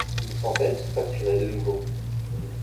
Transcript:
Une centaine sont capturés de nouveau.